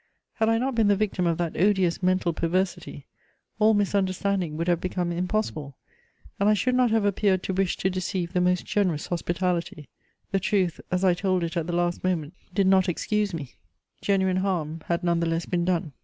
Had I not been the victim of that odious mental perversity, all misunderstanding would have become impossible, and I should not have appeared to wish to deceive the most generous hospitality; the truth, as I told it at the last moment, did not excuse me: genuine harm had none the less been done.